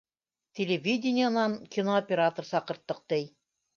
Телевидениенан кинооператор саҡырттыҡ, ти